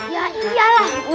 ya iyalah mikirin apaan